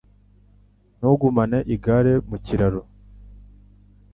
Ntugumane igare mu kiraro.